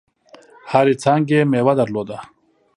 هرې څانګي یې مېوه درلوده .